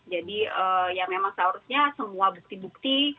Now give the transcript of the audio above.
jadi ya memang seharusnya semua bukti bukti